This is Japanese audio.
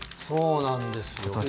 そうなんですよ。